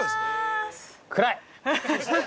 ◆暗い。